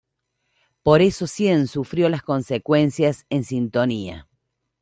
Por eso Cien sufrió las consecuencias en sintonía.